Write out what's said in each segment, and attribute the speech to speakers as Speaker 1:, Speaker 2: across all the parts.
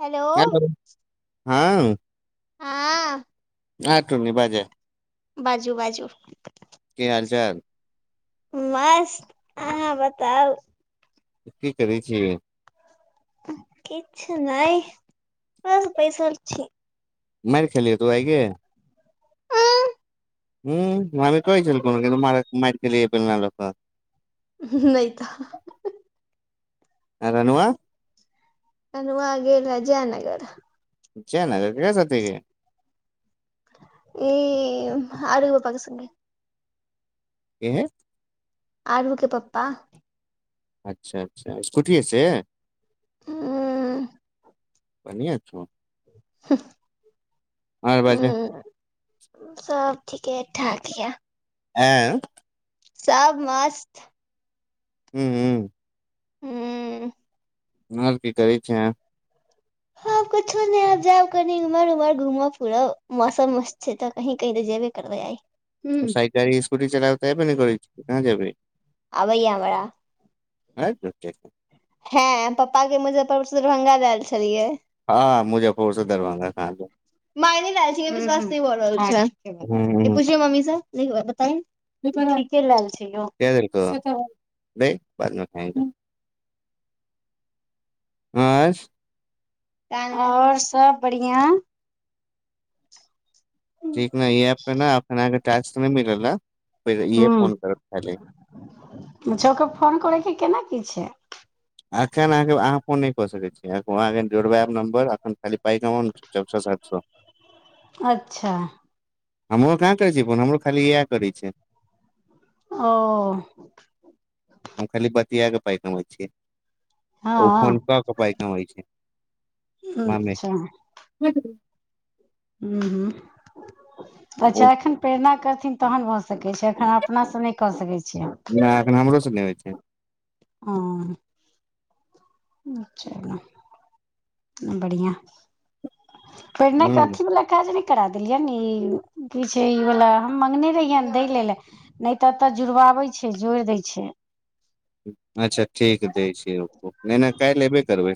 Speaker 1: Hello.
Speaker 2: हँ।
Speaker 1: हँ।
Speaker 2: हँ टून्नी बाजैय।
Speaker 1: बाजू-बाजू।
Speaker 2: कि हाल चाल।
Speaker 1: मस्त अहाँ बताउ।
Speaker 2: की करै छियै।
Speaker 1: किछु नहि बस बैसल छी।
Speaker 2: माइर खेलहिये तू आय गे हूँ नानी कहै छेलखुन कि तु मारै माइर केलही ये बेलना लऽ कऽ।
Speaker 1: हुं-हु नहि तऽ
Speaker 2: आ ननुआं।
Speaker 1: ननुआं गेलए जयनगर।
Speaker 2: जयनगर केकरा साथे गे।
Speaker 1: ई आरू पप्पाकेँ संगे।
Speaker 2: के है।
Speaker 1: आरूकेँ पप्पा।
Speaker 2: अच्छा-अच्छा स्कुटीयेसँ।
Speaker 1: ह्म्।
Speaker 2: बन्हियां छौ।
Speaker 1: हुं-ह।
Speaker 2: आओर बाजह
Speaker 1: ह्म सभ ठीके ठाक ये
Speaker 2: आंय
Speaker 1: सब मस्त
Speaker 2: ह्म्
Speaker 1: हूँ
Speaker 2: आओर की करै छें
Speaker 1: आओर कुछो नहि आब जायब कनी इम्हर-उम्हर घुमब-फिरब मौसम मस्त छै तऽ कहीं-कहीं तऽ जैबे करबै आइ।
Speaker 2: ओ
Speaker 1: हूँ
Speaker 2: साइकिल-इस कुटी चलाएल तऽ ऐबे नै करै छ‌उ तऽ कहां जेबहि।
Speaker 1: आबैये हमरा।
Speaker 2: है झुट्ठेकेँ।
Speaker 1: हैं पप्पाकेँ मुजफ्फरपुर सँ दरभंगा लाएल छलियै।
Speaker 2: हँ मुजफ्फरपुर से दरभंगा कहाँ जेबै
Speaker 1: माय नै लाएल छियै विश्वाश नै भऽ रहल छै हुँ-हुँ हँ ठीके बात इ पुछियौ मम्मीसँ। नै ये बताहिन।
Speaker 2: ठीके नै के देलकौ। नहि बादमें खायेंगे। नाइस।
Speaker 1: तहन आओर सभ बढियां
Speaker 2: ठीक ने य इ ऐप मे न अखन अहां के टास्क न‌इ मिलल न
Speaker 1: ह छौके फोन करे के केना इछा
Speaker 2: एखन अहाँके अहाँ फोन नहि कऽ सकैत छी अहाँके जोड़बायब नम्बर एखन खाली पइक अमाउंट चारि सओ सात सए [unintelligible]
Speaker 1: अच्छा
Speaker 2: हमरो कहाँ करै छै फोन हमरो खाली इएह करै छै।
Speaker 1: ओ
Speaker 2: हम खाली बतिया क पाई कमाई छियै। ओ
Speaker 1: हँ
Speaker 2: फोन क क पाई कमाई छैय। ममे
Speaker 1: अच्छा ह्म हू त
Speaker 2: ओ
Speaker 1: अच्छा एखन प्रेरणा कर तहन भऽ सकै छैय एखन अपना से नहि क सकै छैय।
Speaker 2: नहि एखन हमरो से नहि होइ छैय। [inaudible]
Speaker 1: ह अच्छा बढ़िआ पहिने के
Speaker 2: ह
Speaker 1: काथी वाला काज नै करा देलियै ई की छैय ई बला हम मङगने रहियनि दै ल लए नहि तऽ एतऽ जुड़वाबै छैय जोड़ि दैय छैय।
Speaker 2: अच्छा ठीक दैय छियै रूकू नहि ना काल्हि अयबे करबै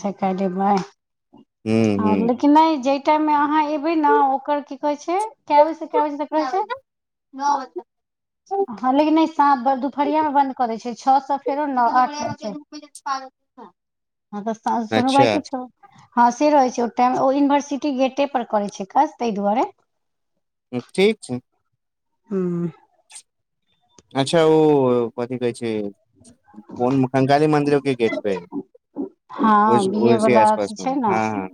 Speaker 1: से क देबै आ
Speaker 2: ह
Speaker 1: लेकिन नहि जे जय टाइम मे आहान एबय ना ओकर की कहय छैय कय बजे स कय बजे तक रहय छैय हां लेकिन दुपहरिया में बंद के दय छैय छौ से फेरो नौ हँ तऽ सोनू
Speaker 2: अच्छा
Speaker 1: भाइके छ हँ से रहै छैय ओ टाइम ओ यूनिवर्सिटी गेटे पर करै छैय काज ताहि दुआरे।
Speaker 2: ठीक छैय।
Speaker 1: हँ
Speaker 2: अच्छा ओ कथी कहै कोन कंगाली मन्दिर ठीक अछि
Speaker 1: हँ बी ए वला त
Speaker 2: मे
Speaker 1: छैय ने ह
Speaker 2: हँ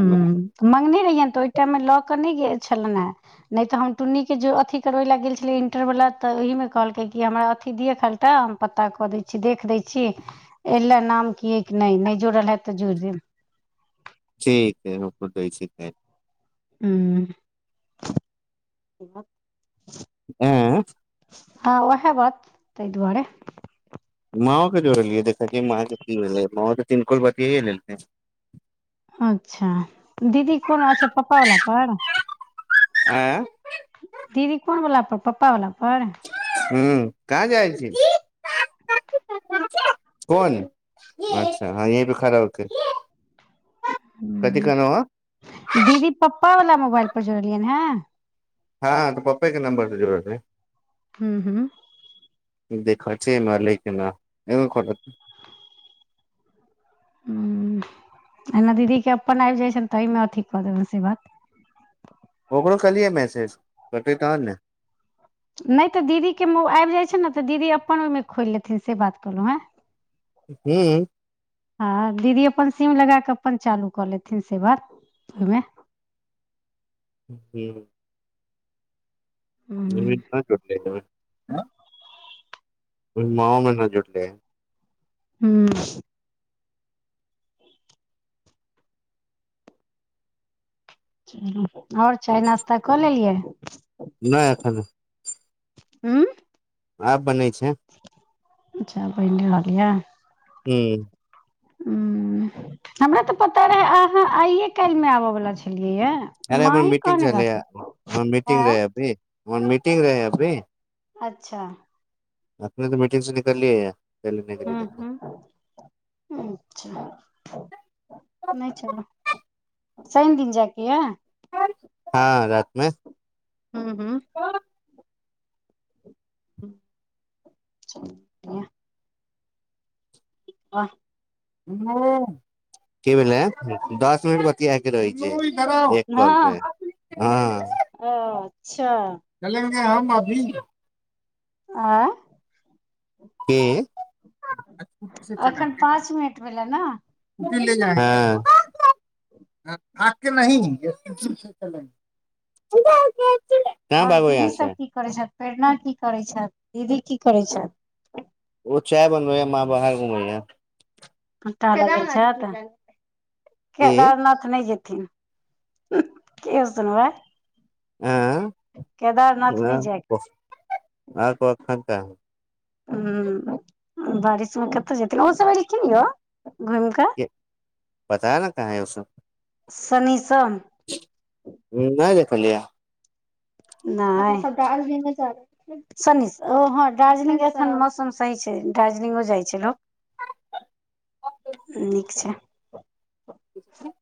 Speaker 2: हँ
Speaker 1: मंगने रहिय तऽ ओहि टाइमे लऽ केऽ नहि गेल छलनि ह नहि तऽ हम टुन्नीक के अथी करबै लए गेल छलियै इंटर वला तऽ ओहि मे कहलकै हमरा अथी दिय खालटा हम पता कऽ दै छी देख दै छी एहि ले नाम अय की नहि नहि जोड़ल हैत तऽ जोड़ि देब।
Speaker 2: ठीक छैय रूकू दैय छी तैन
Speaker 1: ह्म
Speaker 2: आँ
Speaker 1: हँ उएह बात ताहि दुआरे
Speaker 2: माँओ के जोड़लियै देख माँ के की भेले माओ तऽ तनकोल बतिे लेलते
Speaker 1: अच्छा दीदी कोन अ छै पप्पा वला पर
Speaker 2: हँ
Speaker 1: दीदी कोन बला पर पप्पा वला पर
Speaker 2: ह कहाँ जाइ छी कोन अच्छा हँ य खराब [unintelligible]
Speaker 1: ह दीदी प्पा वला मोबाइल पर जुड़लियै हैँ
Speaker 2: हँ तऽ पप्पे के नम्बर से जरूरत है
Speaker 1: हू हू
Speaker 2: देख छ म लै के एकद कर
Speaker 1: ह एना दीदी के अपन आबि जाइ छै ने ताहिमे अथी कऽ देबनि से बात
Speaker 2: ओकरो कलियए मैसज कतै तहन ने
Speaker 1: नहि तऽ दीदीके आबि जाइ छै ने तऽ दीदी अपन ओहिमे खोलि लेथिन से बात कहलहुँ हँ
Speaker 2: हू
Speaker 1: हँ दीदी अपन सीम लगा कऽ अपन चालू कऽ लेथिन से बात ओहिमे
Speaker 2: ह्म नमीन
Speaker 1: हूँ
Speaker 2: क चोटलै छै [unintelligible] आँ ओ माँमे न जुटले
Speaker 1: ह्म ओर चाय नाश्ता कऽ लेलियै
Speaker 2: नै एखन
Speaker 1: हँ
Speaker 2: आ बनै छै
Speaker 1: अच्छा बहि नहि रहलैए
Speaker 2: हू
Speaker 1: ह्म हमरा तऽ पता रहे अहाँ आइए काल्हि मे आबय बलाा छलिय
Speaker 2: अरे हमर मीटिंग चलै आ हमर मीटिंग
Speaker 1: आँय
Speaker 2: रहैय अभी हमर मीटिंग रहै अभी
Speaker 1: अच्छा
Speaker 2: अखने तऽ मीटिंग से निकललियै या
Speaker 1: ह्म ह्म नहि चलू सइन दिन जााकिया
Speaker 2: हँ राइतिमे
Speaker 1: ह्म ह्म ह [unintelligible] आ
Speaker 2: कि भेलऐ दस मिनट बतिया रहै छै एक कल
Speaker 1: हँ
Speaker 2: पे हँ
Speaker 1: च
Speaker 2: चलेंगे हम अभी
Speaker 1: आँ
Speaker 2: की स्कूटी से
Speaker 1: एखन
Speaker 2: चलेंगे
Speaker 1: पाँच मिनट भेलै न
Speaker 2: स्कूटी ले जाए आाक्य नहि से चले [unintelligible]
Speaker 1: ओर दीदी सब की करैत छथिन प्रेरणा की करैत छथि दीदी की करैत छथि
Speaker 2: ओ चाय बनबय माँ बाहर घुमय अछि
Speaker 1: पटा छै तऽ [unintelligible]
Speaker 2: की
Speaker 1: केदारनाथ नहि जत क होतन भ [unintelligible]
Speaker 2: हँ
Speaker 1: नहि
Speaker 2: आ
Speaker 1: जाय
Speaker 2: क [unintelligible] त [unintelligible]
Speaker 1: ह्म बारिशमे कतऽ जेथिन ओस सब एलखिन य
Speaker 2: पता ने कहाँ ह उस सब
Speaker 1: संगी संग
Speaker 2: ह नहि देखलियै
Speaker 1: नहि्जंग ओ शनी सब ह दार्जिलिंगसन मौसम सही छै दार्जिलिंगो जाइ छै लोक [unintelligible] नीक छैक
Speaker 2: होक छै [unintelligible]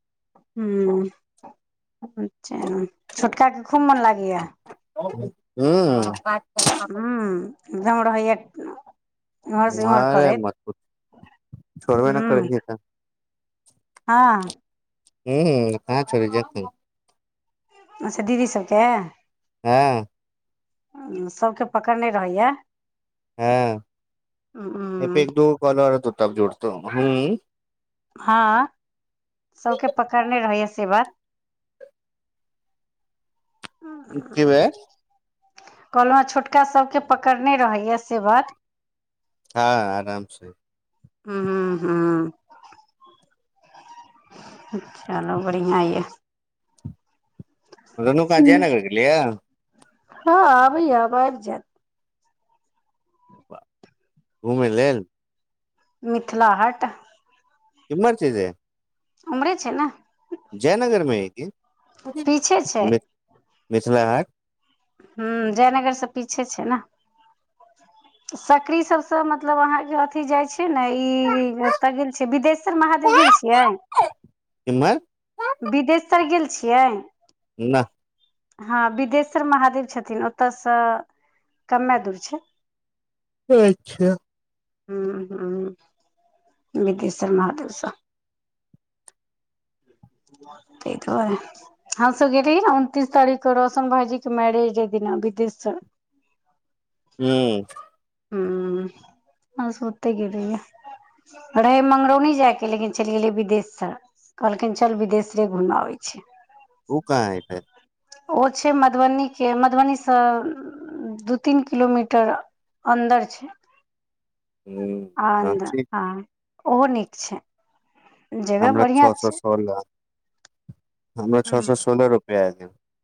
Speaker 1: छोटका केँ खूब मन लागय गैया [inaudible]
Speaker 2: हू [inaudible] बात
Speaker 1: हूँ
Speaker 2: कर
Speaker 1: एकदम रहैय
Speaker 2: मरे मत पुछुछोड़बे नहि
Speaker 1: हूँ
Speaker 2: करैत छैक त
Speaker 1: हँ [inaudible]
Speaker 2: हू क हाछोड़े जेतै [unintelligible]
Speaker 1: अच्छा दीदी सबकेँ
Speaker 2: हँ
Speaker 1: सभकेँ पकड़ने रहैय
Speaker 2: हँ ए पे
Speaker 1: हूँ
Speaker 2: एक दू कलर त तब जोड़तौ हू
Speaker 1: हँ सबकेँ पकड़ने रहिए से बात
Speaker 2: कि भेल
Speaker 1: कलहुँ हां जे छोटका सबकेँ पकड़ने रहैए से बात
Speaker 2: हँ आरामसँ
Speaker 1: ह ह हँ [inaudible] चलू बढ़िआँ हए
Speaker 2: रेनुका जयनगर गेलय हांँ
Speaker 1: हँ आबैय या आब जायत
Speaker 2: घुमय लेल
Speaker 1: मिथिला हाट
Speaker 2: किमहर छै रे
Speaker 1: हमरे छै न
Speaker 2: जयनगरमे हय की
Speaker 1: पीछे
Speaker 2: मिथिला हाट
Speaker 1: ह जयनगर से पीछे छै ने सकरी सबसँ मतलब अहाँके अथि जाइ छै ने ई अत गेल छै विदेश महादेव गेल छियै
Speaker 2: इम्हर
Speaker 1: बिदेश्वर गेल छियै
Speaker 2: नहि
Speaker 1: हँ बिदेश्वर महादेव छथिन ओतयसँ कमे दूर छै
Speaker 2: अच्छा
Speaker 1: ह्म ह विदेश्वर महादेवस त‌ए दुआरे हमसब गेल रही न उनतीस तारीखके रौशन भाईजी के मैरेज डे दिना विदेश्वर
Speaker 2: हू
Speaker 1: ह बस ओतै गेल रहियइ रहे मंगरौनी जायके लेकिन चलि गेलियै विदेश्वर कहलखिन चल विदेशरे घुमि आबै छी
Speaker 2: उ काँ हय फेर
Speaker 1: ओ छै मधुबनीके मधुबनीस दू तीन किलोमीटर अन्दर छै आ
Speaker 2: ह
Speaker 1: [unintelligible] ओहो नीक छै जगह
Speaker 2: हमरा
Speaker 1: बढ़िया
Speaker 2: छ सौ
Speaker 1: छै
Speaker 2: सोलह हमर छ सौ सोलह रू [unintelligible]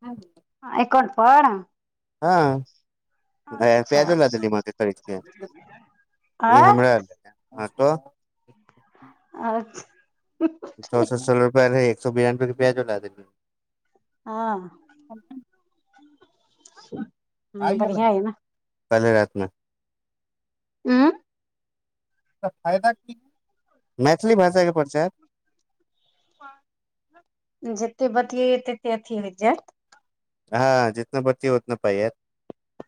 Speaker 1: हँ एकन पर
Speaker 2: हँ आय
Speaker 1: अच्छा
Speaker 2: प्याजो ला देलीय माँ के खरीदके ई
Speaker 1: आँ
Speaker 2: हमरा हँ त
Speaker 1: अच्छ
Speaker 2: चौसठ सौ रुपैआ रहै एक सौ बिरानबे रू प्याजो ला देेलिय
Speaker 1: हँ [inaudible] [unintelligible] ह्म बढ़िआ अइ न
Speaker 2: काल्हि राति में
Speaker 1: उँ
Speaker 2: त फायदा की मैथिली भाषाके परचार
Speaker 1: जते बतियैया तते अथी होइत जायत
Speaker 2: हँ जितना बतियौ उतना पाइ ऐत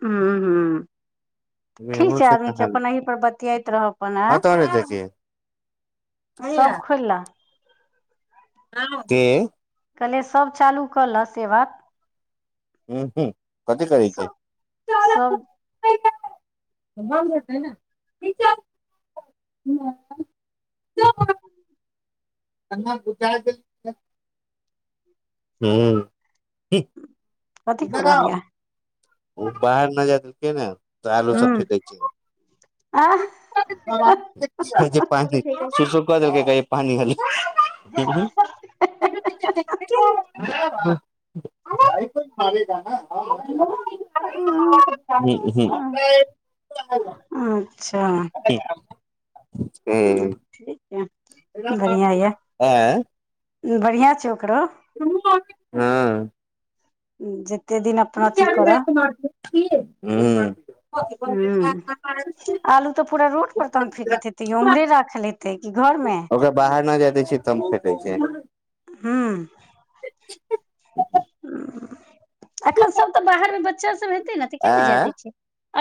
Speaker 1: ह्म ठीक
Speaker 2: हमरो
Speaker 1: छैक
Speaker 2: से
Speaker 1: आदमी
Speaker 2: कहाँ
Speaker 1: छ अपन एहि पर बतियैत रहब अपन हाँ
Speaker 2: हँ तोहर देखिय
Speaker 1: सब खोइल ला
Speaker 2: केँ
Speaker 1: कहले सब चालू क लय से बात
Speaker 2: ह्म हू [inaudible] कथी करैत छी
Speaker 1: सब
Speaker 2: [inaudible] ह्म
Speaker 1: कथी कऽ
Speaker 2: इधर
Speaker 1: रहल
Speaker 2: आओ
Speaker 1: यऽ
Speaker 2: ओ बाहर नहि जाइत के नहि त आलू सब
Speaker 1: हूं
Speaker 2: फेकैत जे
Speaker 1: आह
Speaker 2: छैक जे पानी सूसू क देलकय पानी खाली आइप भ ग ने [inaudible]
Speaker 1: अच्छा
Speaker 2: [inaudible] [inaudible] ठीक हूं
Speaker 1: ठीक य बढ़िया यऽ
Speaker 2: आँय [inaudible]
Speaker 1: बढ़िया छई ओकरो
Speaker 2: हँअ् [inaudible]
Speaker 1: ह जे एते दिन अपना अथी कर
Speaker 2: हूंअ् [inaudible]
Speaker 1: आलू तऽ पूरा रोड पर तन फेकैत हेतय ओ ओमहरे राखल हेतय कि घरमे
Speaker 2: ओकरा बाहर न जाय दै छियै तब फेेकै छै
Speaker 1: हूंअ् एखन सब तऽ बाहर मे बच्चा सब हे तऽ ने जाय
Speaker 2: आँय
Speaker 1: दैत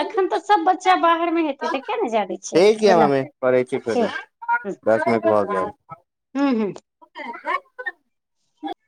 Speaker 1: एखन तऽ सब बच्चा बाहर मे हेतय तऽ किया ने जाय दैत
Speaker 2: ठीक य
Speaker 1: छियैक
Speaker 2: हमे करै छी फेरो दस मिनट भऽ
Speaker 1: खेल
Speaker 2: गेल